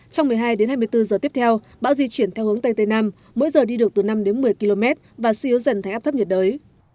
trong một mươi hai đến hai mươi bốn giờ tiếp theo bão di chuyển theo hướng tây tây nam mỗi giờ đi được từ năm đến một mươi km và suy yếu dần thành áp thấp nhiệt đới